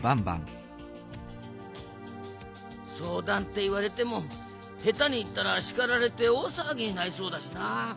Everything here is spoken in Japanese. そうだんっていわれてもへたにいったらしかられておおさわぎになりそうだしな。